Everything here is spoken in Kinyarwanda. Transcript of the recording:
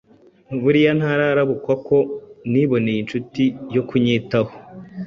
Buriya ntararabukwa ko niboneye inshuti yo kunyitaho!